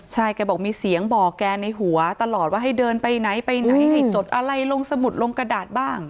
ใช่แกบอกมีเสียงบอกแกในหัวตลอดว่าให้เดินไปไหนไปไหนให้จดอะไรลงสมุดลงกระดาษบ้าง